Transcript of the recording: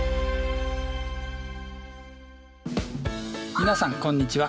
皆さんこんにちは。